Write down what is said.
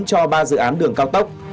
cho ba dự án đường cao tốc